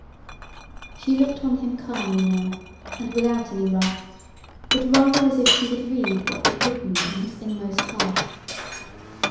She looked on him calmly now, and without any wrath, but rather as if she would read what was written in his inmost heart.